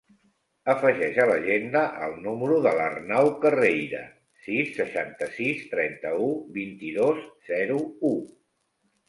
Afegeix a l'agenda el número de l'Arnau Carreira: sis, seixanta-sis, trenta-u, vint-i-dos, zero, u.